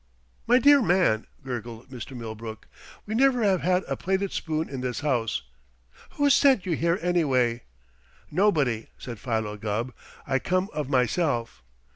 "My dear man," gurgled Mr. Millbrook, "we never have had a plated spoon in this house! Who sent you here, anyway?" "Nobody," said Philo Gubb. "I come of myself."